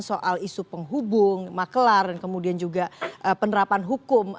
soal isu penghubung makelar dan kemudian juga penerapan hukum